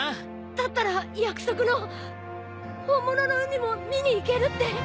だったら約束の本物の海も見に行けるって。